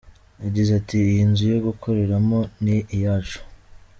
yagize ati : “Iyi nzu yo gukoreramo ni iyacu.